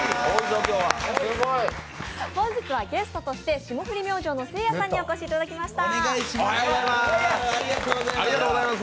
本日はゲストとして霜降り明星のせいやさんにお越しいただきました。